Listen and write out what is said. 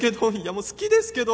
もう好きですけど